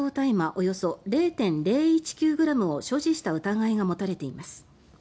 およそ０．０１９ｇを所持した疑いが持たれています。